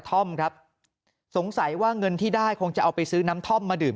ท่อมครับสงสัยว่าเงินที่ได้คงจะเอาไปซื้อน้ำท่อมมาดื่ม